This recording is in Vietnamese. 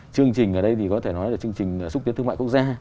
chương trình ở đây thì có thể nói là chương trình xúc tiến thương mại quốc gia